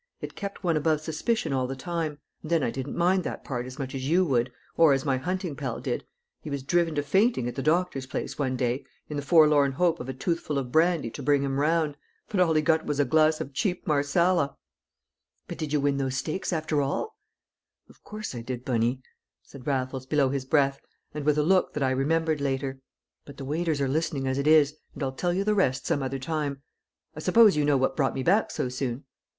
It kept one above suspicion all the time. And then I didn't mind that part as much as you would, or as my hunting pal did; he was driven to fainting at the doctor's place one day, in the forlorn hope of a toothful of brandy to bring him round. But all he got was a glass of cheap Marsala." "But did you win those stakes after all?" "Of course I did, Bunny," said Raffles below his breath, and with a look that I remembered later. "But the waiters are listening as it is, and I'll tell you the rest some other time. I suppose you know what brought me back so soon?"